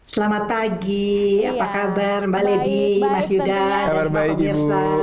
selamat pagi apa kabar mbak lady mas yudha dan sokomirsa